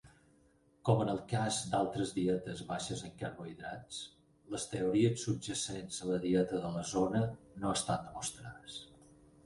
Com en el cas d"altres dietes baixes en carbohidrats, les teories subjacents a la dieta de la Zona no estan demostrades.